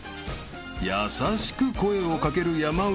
［優しく声を掛ける山内］